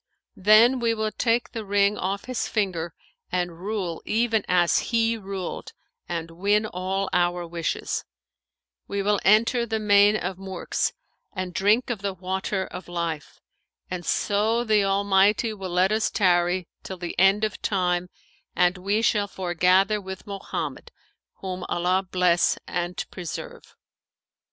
Then we will take the ring off his finger and rule even as he ruled and win all our wishes; we will enter the Main of Murks[FN#518] and drink of the Water of Life, and so the Almighty will let us tarry till the End of Time and we shall foregather with Mohammed, whom Allah bless and preserve!'